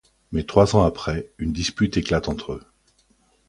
Mais trois ans après, une dispute éclate entre eux.